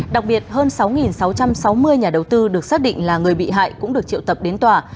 đặc biệt hơn sáu sáu trăm sáu mươi nhà đầu tư được xác định là người bị hại cũng được triệu tập đến tòa